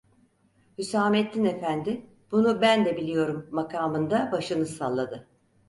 Hüsamettin efendi "Bunu ben de biliyorum!" makamında başını salladı.